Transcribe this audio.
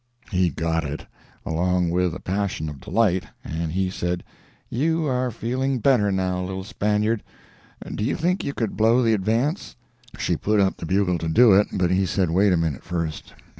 He got it, along with a passion of delight, and he said, 'You are feeling better now, little Spaniard—do you think you could blow the advance?' She put up the bugle to do it, but he said wait a minute first.